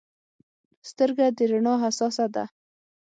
سترګه د رڼا حساسه ده.